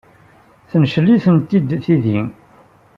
Tencel-itent-id tidi.